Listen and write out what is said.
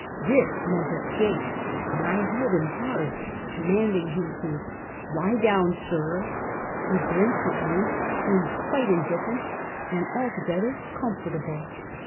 This meant escape, and I held him hard, commanding him to "lie down, sir." He blinked at me, seemed quite indifierent and alto, gether comfortable.